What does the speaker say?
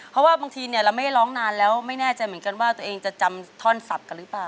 เพราะว่าบางทีเนี่ยเราไม่ได้ร้องนานแล้วไม่แน่ใจเหมือนกันว่าตัวเองจะจำท่อนสับกันหรือเปล่า